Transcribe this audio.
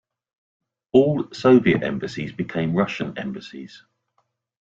All Soviet embassies became Russian embassies.